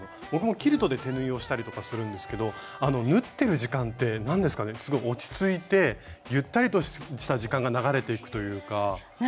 僕もキルトで手縫いをしたりとかするんですけどあの縫ってる時間って何ですかねすごい落ち着いてゆったりとした時間が流れていくというか。